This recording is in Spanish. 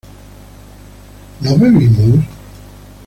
¿no bebimos?